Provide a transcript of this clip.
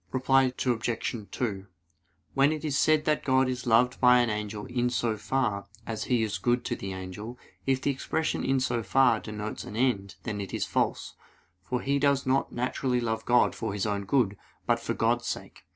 Reply Obj. 2: When it is said that God is loved by an angel "in so far" as He is good to the angel, if the expression "in so far" denotes an end, then it is false; for he does not naturally love God for his own good, but for God's sake.